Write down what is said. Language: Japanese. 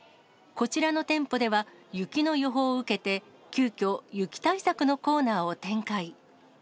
こちらの店舗では、雪の予報を受けて、急きょ、雪対策のコーナーを展開。